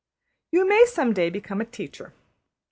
You may some day become a teacher.